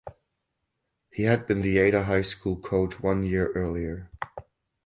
He had been the Ada High School coach one year earlier.